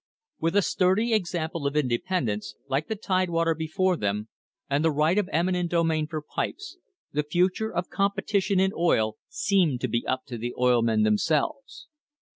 With a sturdy example of independence, like the Tidewater, before them, and the right of eminent domain for pipes, the future of competition in oil seemed to be up to the oil men themselves.